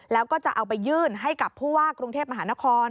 แล้วก็จะเอาไปยื่นให้กับผู้ว่ากรุงเทพมหานคร